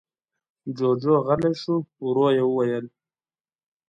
جُوجُو غلی شو. ورو يې وويل: